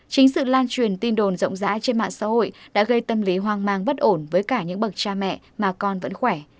chính sự lan truyền tin đồn rộng rãi trên mạng xã hội đã gây tâm lý hoang mang bất ổn với cả những bậc cha mẹ mà con vẫn khỏe